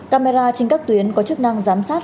camera trên các tuyến có chức năng giám sát